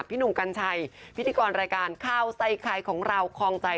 พี่หนุ่มกัญชัยพิธีกรรายการข้าวใส่ไข่ของเราคลองใจ